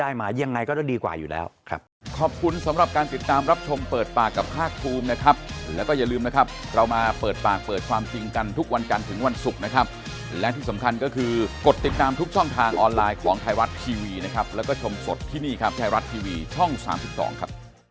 ยังไงก็จะดีกว่าอยู่แล้วครับ